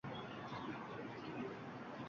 Ayol erining oʻgʻliga dedi.